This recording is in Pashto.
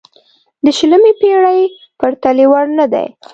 د شلمې پېړۍ پرتلې وړ نه دی.